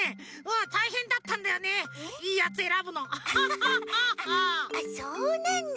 あっそうなんだ。